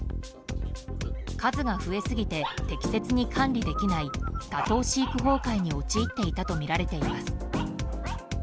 数が増えすぎて適切に管理できない多頭飼育崩壊に陥っていたとみられています。